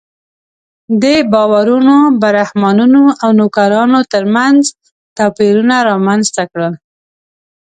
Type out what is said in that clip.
دې باورونو برهمنانو او نوکرانو تر منځ توپیرونه رامنځته کړل.